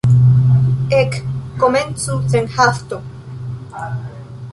Ek, komencu sen hasto.